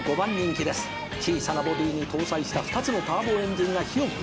「小さなボディーに搭載した２つのターボエンジンが火を噴くか？」